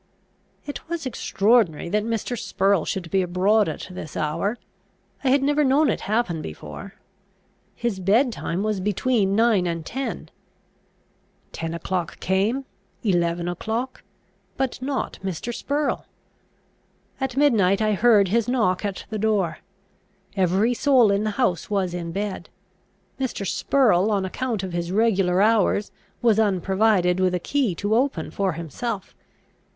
It was extraordinary that Mr. Spurrel should be abroad at this hour; I had never known it happen before. His bed time was between nine and ten. Ten o'clock came, eleven o'clock, but not Mr. Spurrel. At midnight I heard his knock at the door. Every soul in the house was in bed. Mr. Spurrel, on account of his regular hours, was unprovided with a key to open for himself.